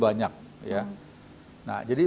banyak nah jadi